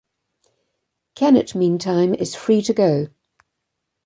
Kenet, meantime, is free to go.